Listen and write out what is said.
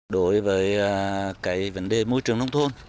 đối với vấn đề môi trường nông thôn